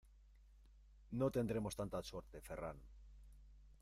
¡No tendremos tanta suerte, Ferran!